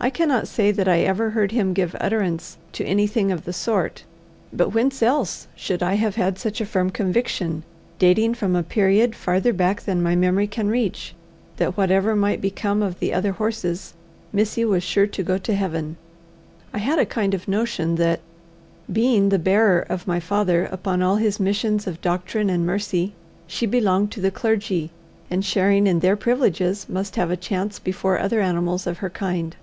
I cannot say that I ever heard him give utterance to anything of the sort; but whence else should I have had such a firm conviction, dating from a period farther back than my memory can reach, that whatever might become of the other horses, Missy was sure to go to heaven? I had a kind of notion that, being the bearer of my father upon all his missions of doctrine and mercy, she belonged to the clergy, and, sharing in their privileges, must have a chance before other animals of her kind.